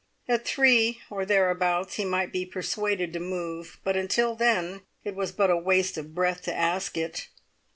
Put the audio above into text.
At three or thereabouts he might be persuaded to move, but until then it was but a waste of breath to ask it.